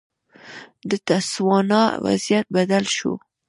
د تسوانا وضعیت بدل شو.